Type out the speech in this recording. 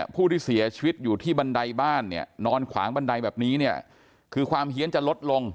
ผู้ที่เสียชีวิตอยู่ที่บันไดบ้านเนี่ยนอนขวางบันไดแบบนี้เนี่ยคือความเฮียนจะลดลง